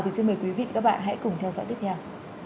thì xin mời quý vị và các bạn hãy cùng theo dõi tiếp theo